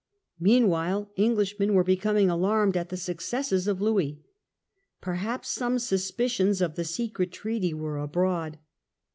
Meanwhile Englishmen were becoming alarmed at the successes of Louis. Perhaps some suspicions of the A disunited Secret treaty were abroad.